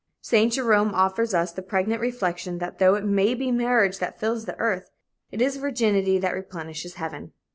Saint Jerome offers us the pregnant reflection that though it may be marriage that fills the earth, it is virginity that replenishes heaven."